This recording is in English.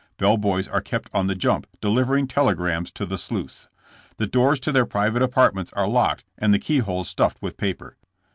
Bell boys are kept on the jump delivering telegrams to the sleuths. The doors to their private apartments are locked and the keyholes stuffed with paper.